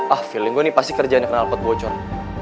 ah feeling gua nih pasti kerjaannya kena alpot bocor